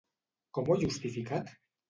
Com ho ha justificat?